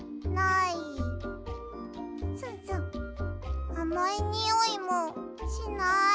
スンスンあまいにおいもしない。